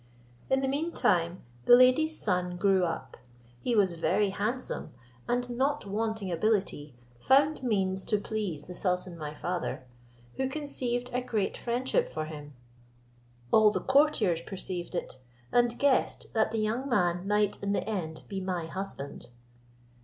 In the mean time the lady's son grew up; he was very handsome, and not wanting ability, found means to please the sultan my father, who conceived a great friendship for him. All the courtiers perceived it, and guessed that the young man might in the end be my husband.